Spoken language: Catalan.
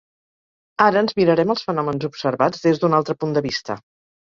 Ara ens mirarem els fenòmens observats des d'un altre punt de vista.